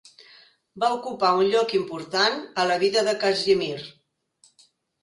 Va ocupar un lloc important a la vida de Casimir.